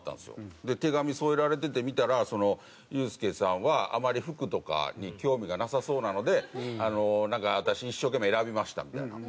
で手紙添えられてて見たら「ユースケさんはあまり服とかに興味がなさそうなので私一生懸命選びました」みたいな。